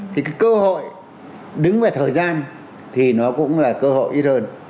thì cái cơ hội đứng về thời gian thì nó cũng là cơ hội ít hơn